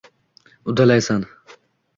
— Uddalaysan.